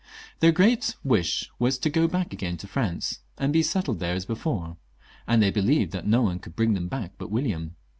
Their great wish was to go back again to France and be settled there as before, and they believed that no one could bring them back but William.